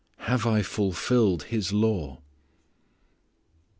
Have I fulfilled His law?